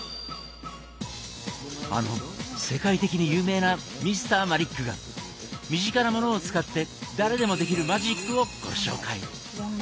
あの世界的に有名なＭｒ．マリックが身近なものを使って誰でもできるマジックをご紹介。